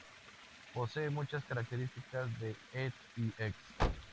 Posee muchas características de ed y ex.